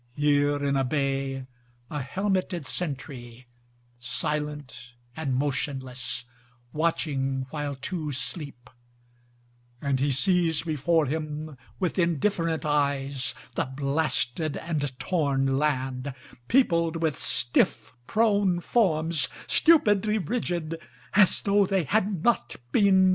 Here in a bay, a helmeted sentry Silent and motionless, watching while two sleep, And he sees before him With indifferent eyes the blasted and torn land Peopled with stiff prone forms, stupidly rigid, As tho' they had not been men.